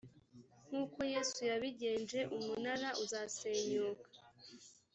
nk’ uko yesu yabigenje umunara uzasenyuka